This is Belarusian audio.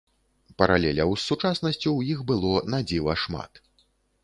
Паралеляў з сучаснасцю ў іх было надзіва шмат.